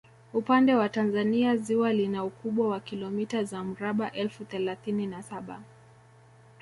Upande wa Tanzania ziwa lina ukubwa wa kilomita za mraba elfu thelathini na saba